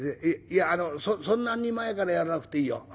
いやあのそんなに前からやらなくていいよ。